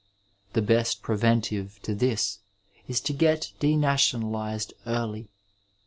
The best preventive to this is to get denationalused early.